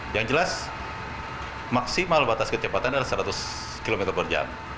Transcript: yang jelas maksimal batas kecepatan adalah seratus km per jam